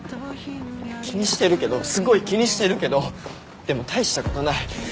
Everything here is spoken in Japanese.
気にしてるけどすごい気にしてるけどでも大したことない。